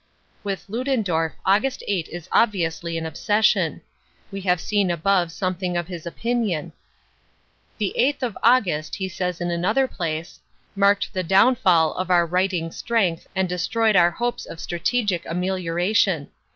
With Ludendorff Aug. 8 is obviously an obsession. We have seen above something of his opinion. "The eighth of August," he says in another place, "marked the downfall of our righting strength and destroyed, our hopes of strategic amelioration.